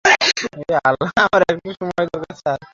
আমার একটু সময় দরকার, স্যার।